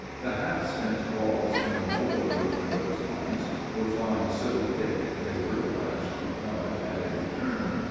The half spent balls coming all the way from those lines were flying so thick that they were obliged to dodge at every turn.